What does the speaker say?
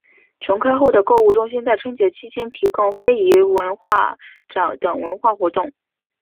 重开后的购书中心在春节期间提供非遗文化展等文化活动。